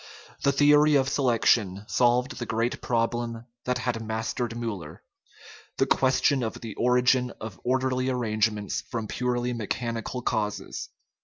The theory of selection solved the great problem that had mastered Miiller the question of the origin of orderly arrange ments from purely mechanical causes.